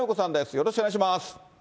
よろしくお願いします。